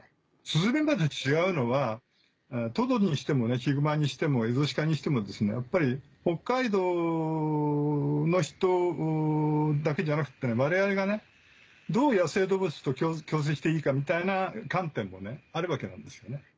スズメバチと違うのはトドにしてもヒグマにしてもエゾシカにしてもやっぱり北海道の人だけじゃなくて我々がどう野生動物と共生していいかみたいな観点もあるわけなんですよね。